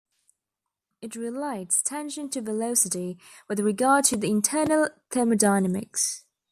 It relates tension to velocity with regard to the internal thermodynamics.